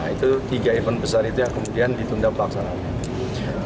itu tiga event besar itu yang kemudian ditunda pelaksanaannya